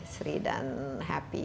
sri dan happy